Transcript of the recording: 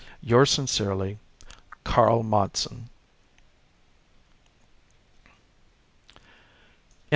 Yours sincerely, KARL MADSEN.